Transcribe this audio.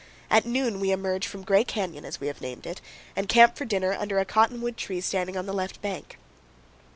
At noon we emerge from Gray Canyon, as we have named it, and camp for dinner under a cotton wood tree standing on the left bank.